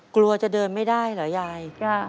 กลัวจะเดินไม่ได้เหรอยาย